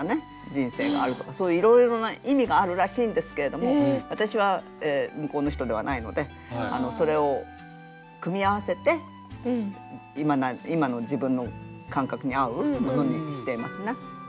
人生があるとかそういういろいろな意味があるらしいんですけれども私は向こうの人ではないのでそれを組み合わせて今の自分の感覚に合うものにしてますね。